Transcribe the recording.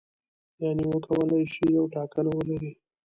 یعنې وکولای شي یوه ټاکنه ولري.